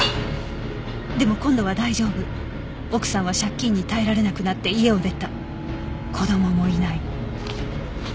「でも今度は大丈夫」「奥さんは借金に耐えられなくなって家を出た」「子供もいない」